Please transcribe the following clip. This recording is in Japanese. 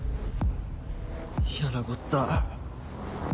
やなこった。